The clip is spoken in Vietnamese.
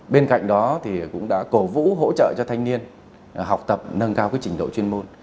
bên cạnh đó thì cũng đã cổ vũ hỗ trợ cho thanh niên học tập nâng cao trình độ chuyên môn